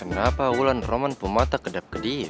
kenapa ulan roman pemata kedap kedip